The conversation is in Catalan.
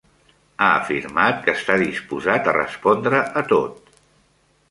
Ha afirmat que està disposat a respondre a tot.